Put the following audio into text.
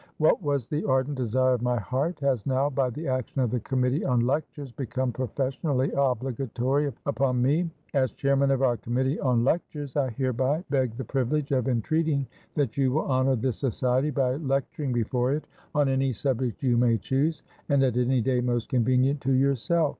What was the ardent desire of my heart, has now by the action of the Committee on Lectures become professionally obligatory upon me. As Chairman of our Committee on Lectures, I hereby beg the privilege of entreating that you will honor this Society by lecturing before it on any subject you may choose, and at any day most convenient to yourself.